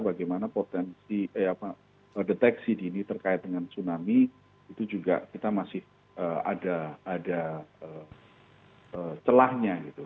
bagaimana potensi deteksi dini terkait dengan tsunami itu juga kita masih ada celahnya gitu